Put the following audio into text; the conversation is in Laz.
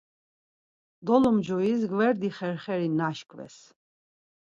Dolumcuis gverdi xerxeri naşkves.